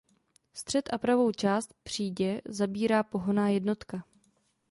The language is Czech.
Střed a pravou část přídě zabírá pohonná jednotka.